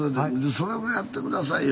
それぐらいやって下さいよ